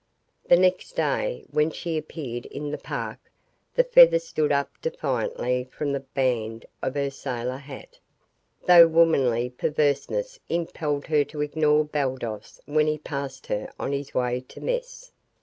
The next day, when she appeared in the park, the feather stood up defiantly from the band of her sailor hat, though womanly perverseness impelled her to ignore Baldos when he passed her on his way to mess.